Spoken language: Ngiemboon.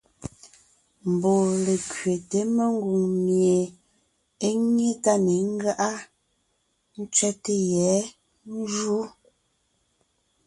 Mbɔɔ lékẅéte mengwòŋ mie é nyé tá ne ńgáʼa, ńtsẅɛ́te yɛ̌ njǔ.